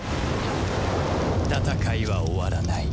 戦いは終わらない